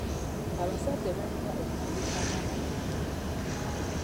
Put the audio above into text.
Abazadde balina okulambika abaana baabwe.